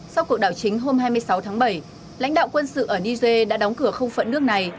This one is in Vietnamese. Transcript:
sau cuộc đảo chính hôm hai mươi sáu tháng bảy lãnh đạo quân sự ở niger đã đóng cửa không phận nước này